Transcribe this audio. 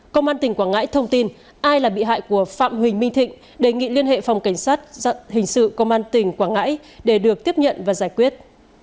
công an tỉnh quảng ngãi thông tin ai là bị hại của phạm huỳnh minh thịnh đề nghị liên hệ phòng cảnh sát hình sự công an tỉnh quảng ngãi để được tiếp nhận và giải quyết